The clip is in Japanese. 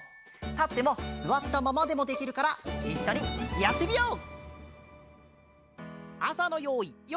たってもすわったままでもできるからいっしょにやってみよう！